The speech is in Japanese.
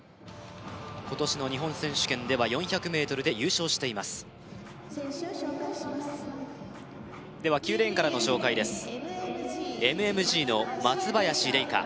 今年の日本選手権では４００ｍで優勝していますでは９レーンからの紹介ですＭＭＧの松林玲佳